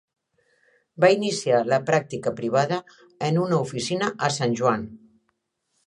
Va iniciar la pràctica privada en una oficina a San Juan.